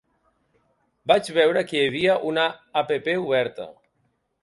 Vaig veure que hi havia una app oberta.